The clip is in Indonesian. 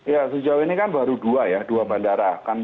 ya sejauh ini kan baru dua ya dua bandara